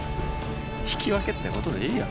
引き分けってことでいいよ。